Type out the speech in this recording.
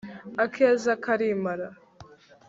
akeza karimara